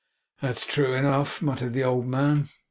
'That's true enough,' muttered the old man.